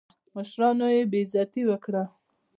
مشرانو یې بېعزتي وکړه.